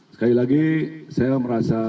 sekali lagi saya merasa